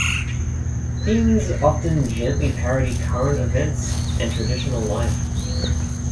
Themes often gently parody current events and traditional life.